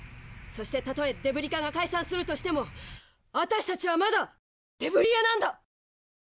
そしてたとえデブリ課が解散するとしても私たちはまだデブリ屋なんだ！